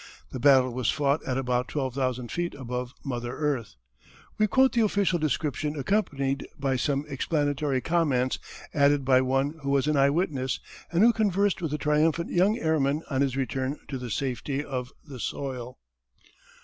The battle was fought at about twelve thousand feet above mother earth. We quote the official description accompanied by some explanatory comments added by one who was an eye witness and who conversed with the triumphant young airman on his return to the safety of the soil.